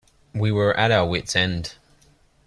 We were at our wits' end.